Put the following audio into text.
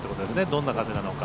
どんな風なのか。